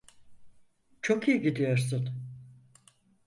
Çok iyi gidiyorsun.